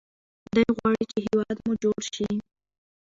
دی غواړي چې هیواد مو جوړ شي.